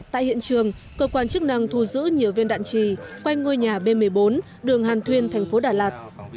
tại hiện trường cơ quan chức năng thu giữ nhiều viên đạn trì quanh ngôi nhà b một mươi bốn đường hàn thuyên thành phố đà lạt